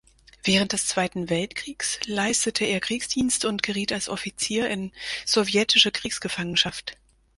Während des Zweiten Weltkriegs leistete er Kriegsdienst und geriet als Offizier in sowjetische Kriegsgefangenschaft.